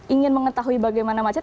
ingin mengetahui bagaimana macet